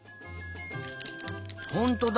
ほんとだ。